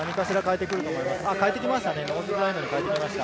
変えてきましたね。